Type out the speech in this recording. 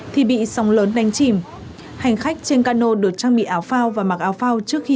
thì bị sóng lớn đánh chìm hành khách trên cano được trang bị áo phao và mặc áo phao trước khi